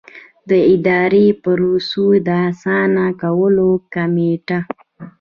د اداري پروسو د اسانه کولو کمېټه.